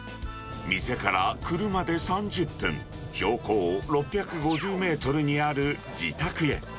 店から車で３０分、標高６５０メートルにある自宅へ。